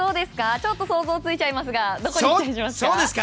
ちょっと想像ついちゃいますがどこに期待しますか？